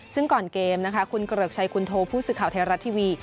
ซึ่งก่อนเกมนะคะคุณเกริกชัยคุณโทผู้สื่อข่าวไทยรัฐทีวี